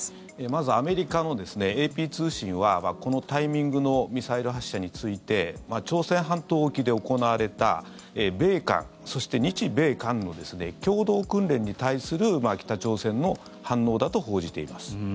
まずアメリカのＡＰ通信はこのタイミングのミサイル発射について朝鮮半島沖で行われた米韓、そして日米韓の共同訓練に対する北朝鮮の反応だと報じています。